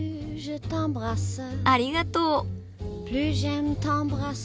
ありがとう。